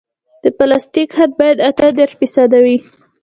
د پلاستیک حد باید اته دېرش فیصده وي